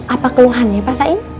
apa keluhan ya pak sain